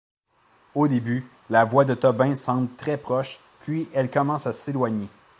Au début, la voix de Tobin semble très proche, puis elle commence à s'éloigner.